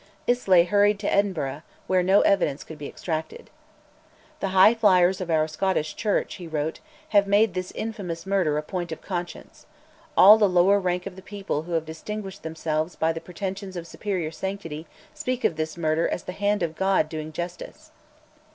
Islay hurried to Edinburgh, where no evidence could be extracted. "The High Flyers of our Scottish Church," he wrote, "have made this infamous murder a point of conscience. ... All the lower rank of the people who have distinguished themselves by the pretensions of superior sanctity speak of this murder as the hand of God doing justice."